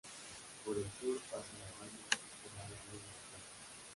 Por el sur pasa la Rambla que da al Río de la Plata.